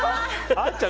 あっちゃん！